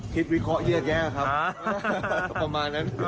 วิเคราะห์เยอะแยะครับประมาณนั้น